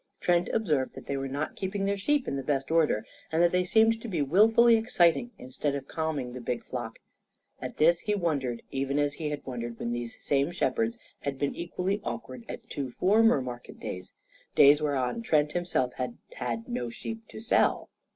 Trent observed that they were not keeping their sheep in the best order, and that they seemed to be wilfully exciting instead of calming the big flock. At this he wondered, even as he had wondered when these same shepherds had been equally awkward at two former market days days whereon Trent himself had had no sheep to sell.